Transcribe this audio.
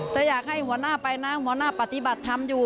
จะอยากให้หัวหน้าไปนะหัวหน้าปฏิบัติธรรมอยู่